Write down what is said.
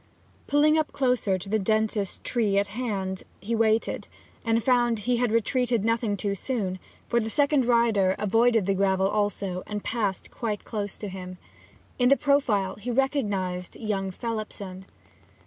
Pulling up closer to the densest tree at hand he waited, and found he had retreated nothing too soon, for the second rider avoided the gravel also, and passed quite close to him. In the profile he recognized young Phelipson.